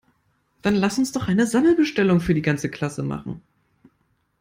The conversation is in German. Dann lasst uns doch eine Sammelbestellung für die ganze Klasse machen!